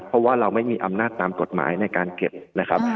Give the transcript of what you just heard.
เพราะว่าเราไม่มีอำนาจตามกฎหมายในการเก็บนะครับ